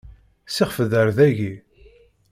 Sixef-d ar dayi.